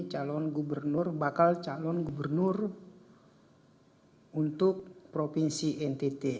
calon gubernur bakal calon gubernur untuk provinsi ntt